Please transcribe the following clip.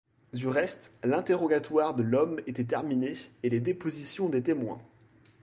Du reste, l'interrogatoire de l'homme était terminé et les dépositions des témoins.